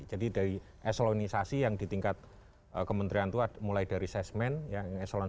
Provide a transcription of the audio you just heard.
jadi dari eselonisasi yang di tingkat kementerian itu mulai dari sesmen yang eselon satu